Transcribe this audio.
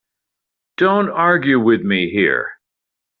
Don't argue with me here.